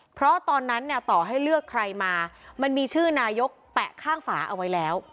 เพราะตอนนั้นเนี่ยต่อให้เลือกใครมามันมีชื่อนายกแปะข้างฝาเอาไว้แล้ว